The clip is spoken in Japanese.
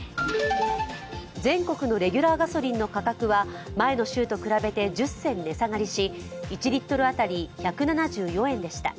全国のレギュラーガソリンの価格は前の週と比べて１０銭値下がりし１リットル当たり１７４円でした。